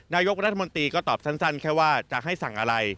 นายกรัฐมนตรีก็ตอบสั้นแค่ว่าจะให้สั่งอะไร